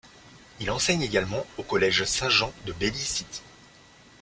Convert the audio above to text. Il enseigne également au collège Saint-Jean de Belize City.